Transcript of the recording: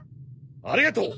ありがとう！